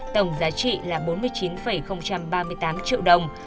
tổng giá trị là bốn mươi chín ba mươi tám triệu đồng